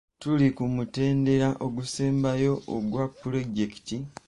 Tuli ku mutendera ogusembayo ogwa pulojekiti.